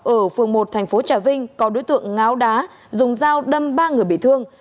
ở phường một thành phố trà vinh có đối tượng ngáo đá dùng dao đâm ba người bị thương